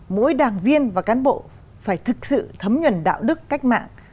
mỗi đảng viên và cán bộ phải thực sự thấm nhuận đạo đức cách mạng